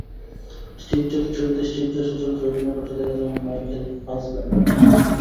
Steve Jobs ছবিতে Steve জবসের চরিত্রে অভিনয় করতে দেখা যাবে মাইকেল ফাসবেন্ডারকে।